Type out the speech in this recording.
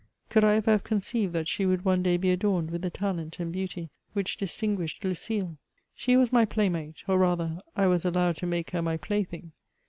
Could I ever have conceived that she would one day be adorned with the talent and beauty which distinguished Lucile ? She was my playmate ; or, rather, I was allowed to make her mj plaything.